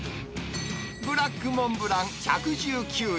ブラックモンブラン１１９円。